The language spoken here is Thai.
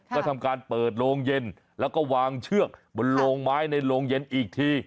ก็ทำการเปิดโรงเย็นแล้วก็วางเชือกบนโลงไม้ในโรงเย็นอีกที